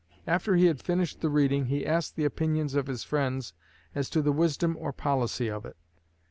After he had finished the reading, he asked the opinions of his friends as to the wisdom or policy of it.